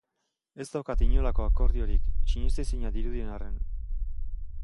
Ez daukat inolako akordiorik, sinestezina dirudien arren.